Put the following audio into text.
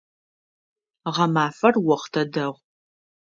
Гъэмафэр охътэ дэгъу.